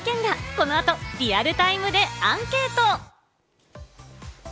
この後、リアルタイムでアンケート！